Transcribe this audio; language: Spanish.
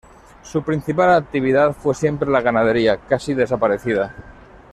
Su principal actividad fue siempre la ganadería, casi desaparecida.